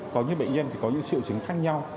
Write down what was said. có những bệnh nhân thì có những triệu chứng khác nhau